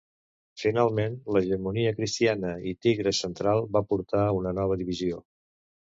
Finalment l'hegemonia cristiana i tigre central va portar a una nova divisió.